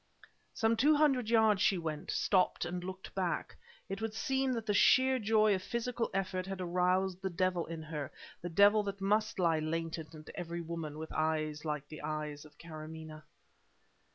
Some two hundred yards she went, stopped, and looked back. It would seem that the sheer joy of physical effort had aroused the devil in her, the devil that must lie latent in every woman with eyes like the eyes of Karamaneh.